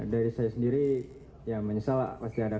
dari saya sendiri ya menyesal lah pasti ada